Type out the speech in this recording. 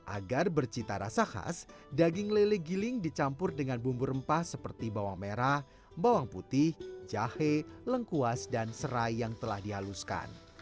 agar bercita rasa khas daging lele giling dicampur dengan bumbu rempah seperti bawang merah bawang putih jahe lengkuas dan serai yang telah dihaluskan